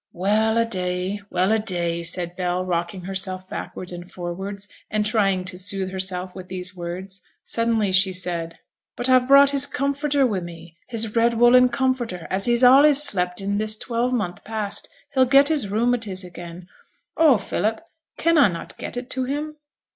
'Well a day, well a day,' said Bell, rocking herself backwards and forwards, and trying to soothe herself with these words. Suddenly she said, 'But I've brought his comforter wi' me his red woollen comforter as he's allays slept in this twelvemonth past; he'll get his rheumatiz again; oh, Philip, cannot I get it to him?'